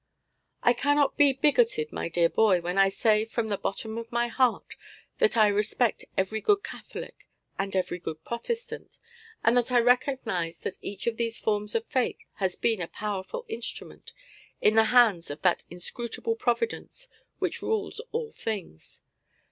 I cannot be bigoted, my dear boy, when I say from the bottom of my heart that I respect every good Catholic and every good Protestant, and that I recognise that each of these forms of faith has been a powerful instrument in the hands of that inscrutable Providence which rules all things.